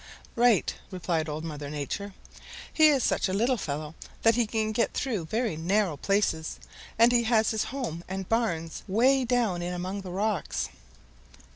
"Right," replied Old Mother Nature. "He is such a little fellow that he can get through very narrow places, and he has his home and barns way down in among the rocks."